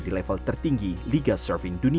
di level tertinggi liga surfing dunia